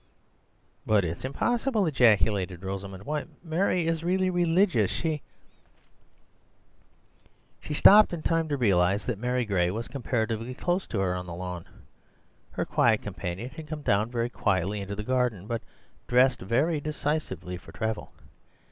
"But it's impossible!" ejaculated Rosamund. "Why, Mary is really religious. She—" She stopped in time to realize that Mary Gray was comparatively close to her on the lawn. Her quiet companion had come down very quietly into the garden, but dressed very decisively for travel.